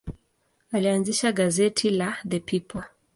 Alianzisha gazeti la The People.